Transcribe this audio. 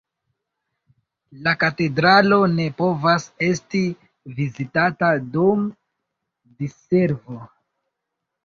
La katedralo ne povas esti vizitata dum diservo.